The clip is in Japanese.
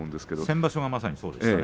先場所まさにそうでした。